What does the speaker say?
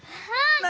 何？